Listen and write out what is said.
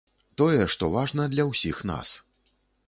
Тое, што важна для ўсіх нас.